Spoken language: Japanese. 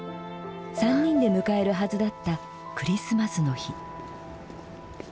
３人で迎えるはずだったクリスマスの日。